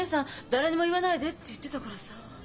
誰にも言わないでって言ってたからさ。